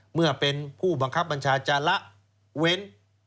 เมื่อเป็นผู้บังคับบัญชาจะละเว้น